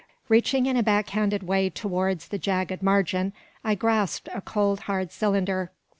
Reaching in a back handed way towards the jagged margin, I grasped a cold hard cylinder.